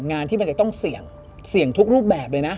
งานที่มันจะต้องเสี่ยงเสี่ยงทุกรูปแบบเลยนะ